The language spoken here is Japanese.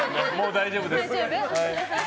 大丈夫です。